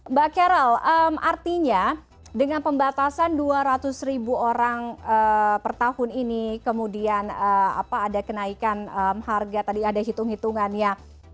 mbak carol artinya dengan pembatasan dua ratus ribu orang per tahun ini kemudian ada kenaikan harga tadi ada hitung hitungannya